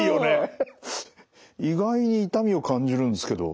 意外に痛みを感じるんですけど。